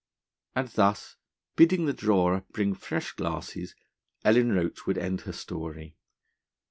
And thus, bidding the drawer bring fresh glasses, Ellen Roach would end her story.